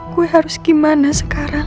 gue harus gimana sekarang